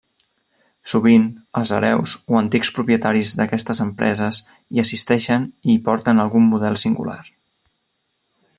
Sovint, els hereus o antics propietaris d'aquestes empreses hi assisteixen hi porten algun model singular.